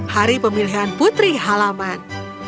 hari pemilihan putri halaman